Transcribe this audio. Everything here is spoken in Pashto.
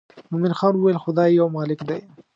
مومن خان وویل خدای یو مالک دی.